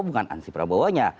bukan ansi prabowo nya